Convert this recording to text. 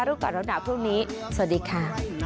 เจอกันตอนหน้าพรุ่งนี้สวัสดีค่ะ